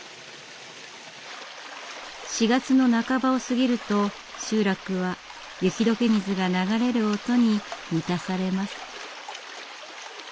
４月の半ばを過ぎると集落は雪解け水が流れる音に満たされます。